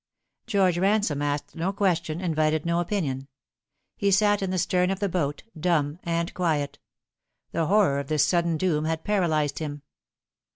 George Ransome asked no question, invited no opinion. He sat in the stern of the boat, dumb and quiet. The horror of this sudden doom had paralysed him.